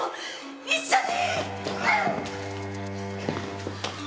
一緒に！